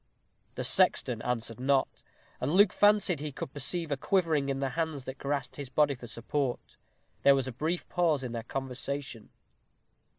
The sexton answered not, and Luke fancied he could perceive a quivering in the hands that grasped his body for support. There was a brief pause in their conversation.